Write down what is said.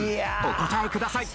お答えください。